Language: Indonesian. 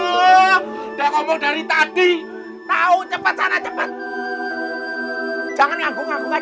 udah ngomong dari tadi tahu cepet sana cepet jangan ngaku ngaku aja